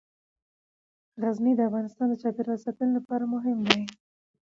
غزني د افغانستان د چاپیریال ساتنې لپاره مهم دي.